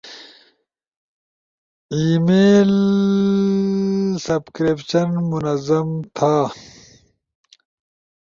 ای میل سبکریبشن منظم تھا